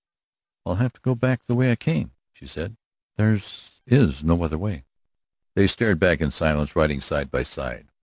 "I'll have to go back the way I came," she said. "There is no other way." They started back in silence, riding side by side.